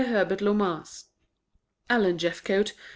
HERBERT LOMAS Alan Jeffcote